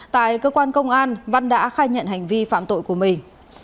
tại cơ quan công an văn đã khai nhận hành vi phạm tội của mình